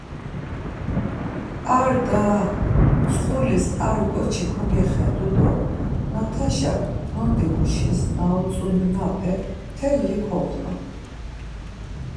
Ar daa...mtsxulis ar ǩoçi kogexet̆u do nataşak nondimuşis na utzu nenape mtelli kognu.